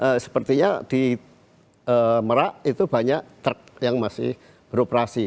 ya sepertinya di merak itu banyak truk yang masih beroperasi